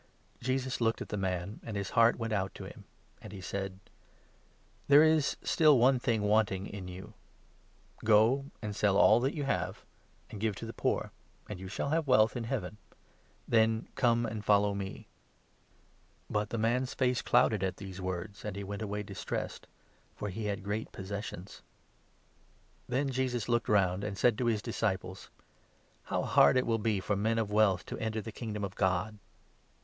Jesus looked at the man, and his heart went out to him, and he 21 said : "There is still one thing wanting in you ; go and sell all that you have, and give to the poor, and you shall have wealth in Heaven ; then come and follow me." But the man's face clouded at these words, and he went away 22 distressed, for he had great possessions. Then Jesus looked round, and said to his disciples : 23 " How hard it will be for men of wealth to enter the Kingdom of God